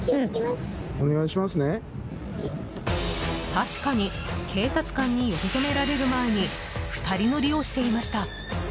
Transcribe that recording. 確かに警察官に呼び止められる前に２人乗りをしていました。